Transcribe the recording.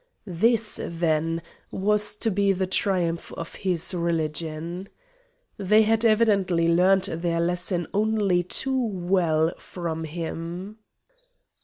This, then, was to be the triumph of his religion! They had evidently learned their lesson only too well from him.